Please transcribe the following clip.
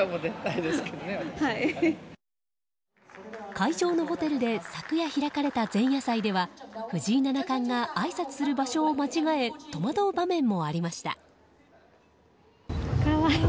会場のホテルで昨夜、開かれた前夜祭では藤井七冠があいさつする場所を間違え戸惑う場面もありました。